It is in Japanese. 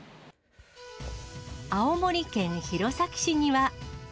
青森県弘前市には。